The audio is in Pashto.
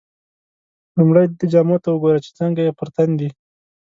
لومړی دده جامو ته وګوره چې څنګه یې پر تن دي.